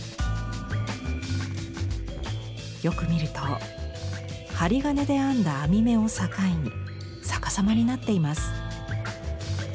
よく見ると針金で編んだ網目を境に逆さまになっています。